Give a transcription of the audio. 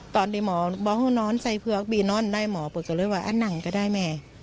ตอนที่หมอบอกว่านอนใส่เผือกปี่นอนไม่ได้หมอบอกเลยว่านั่งก็ได้แม่